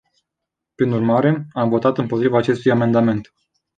Prin urmare, am votat împotriva acestui amendament.